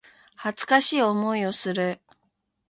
恥ずかしい思いをする